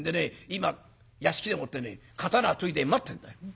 今屋敷でもって刀研いで待ってんだよ。